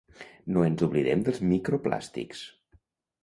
No ens oblidem dels microplàstics.